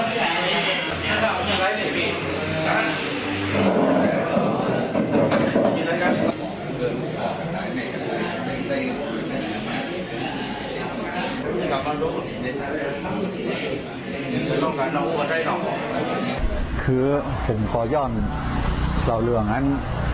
ก็กลับมาดูอาจจะเล่นคือผมก็ย่อนเจ้าเรืองนั้น